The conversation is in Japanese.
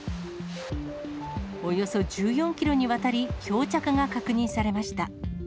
およそ１４キロにわたり、漂着が確認されました。